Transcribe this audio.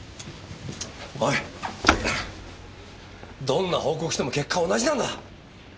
どんな報告しても結果は同じなんだ！